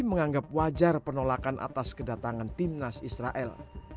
menganggap wajar penolakan atas kedatangan timnas israel